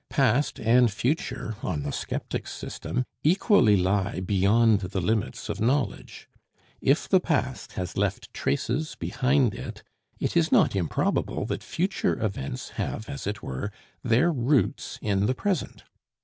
Past and future, on the sceptic's system, equally lie beyond the limits of knowledge. If the past has left traces behind it, it is not improbable that future events have, as it were, their roots in the present.